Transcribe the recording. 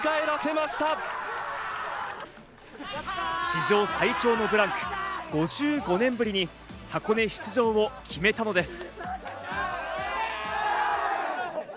史上最長のブランク、５５年ぶりに箱根出場を決めたのです。